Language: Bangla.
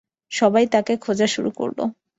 সবাই তাকে খোঁজা শুরু করলো।